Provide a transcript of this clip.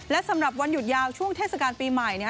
และสำหรับวันหยุดยาวช่วงเทศกาลปีใหม่